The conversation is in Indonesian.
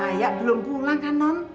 saya belum pulang kan non